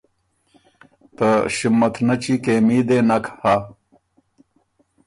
ته ݭُمتنچی کېمي دې نک هۀ۔